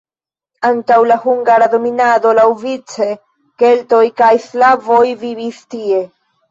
Antaŭ la hungara dominado laŭvice keltoj kaj slavoj vivis tie.